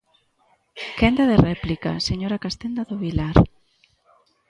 Quenda de réplica, señora Castenda do Vilar.